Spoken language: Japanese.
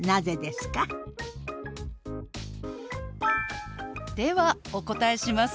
ではお答えします。